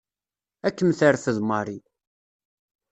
Ad kem-terfed Mary.